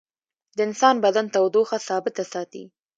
د انسان بدن تودوخه ثابته ساتي